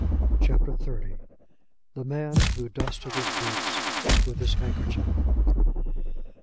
CHAPTER XXVI. THE MAN WHO DUSTED HIS BOOTS WITH HIS HANDKERCHIEF.